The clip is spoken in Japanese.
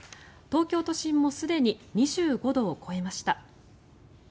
東京都心もすでに２５度を超えました。